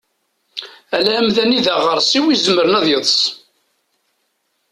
Ala amdan i daɣersiw izemren ad yeḍs.